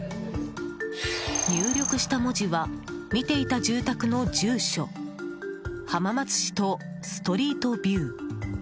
入力した文字は見ていた住宅の住所「浜松市」と「ストリートビュー」。